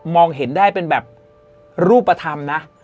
เห็นได้เป็นแบบรูปธรรมนะ